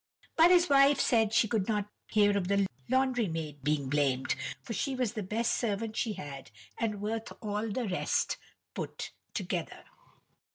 But his wife said she could not hear of the laundry maid being blamed, for she was the best servant she had and worth all the rest put together.